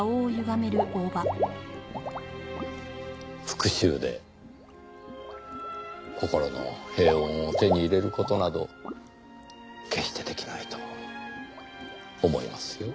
復讐で心の平穏を手に入れる事など決して出来ないと思いますよ。